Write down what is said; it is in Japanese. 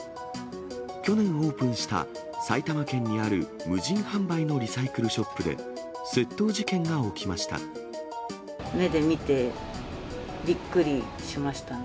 去年オープンした埼玉県にある無人販売のリサイクルショップで、目で見て、びっくりしました。